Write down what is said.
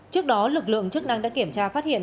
trước đó lực lượng chức năng đã kiểm tra phát hiện